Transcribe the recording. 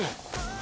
あ！